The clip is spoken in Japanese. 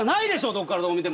どっからどう見ても。